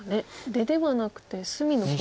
出ではなくて隅の方。